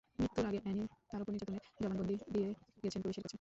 মৃত্যুর আগে অ্যানি তাঁর ওপর নির্যাতনের জবানবন্দি দিয়ে গেছেন পুলিশের কাছে।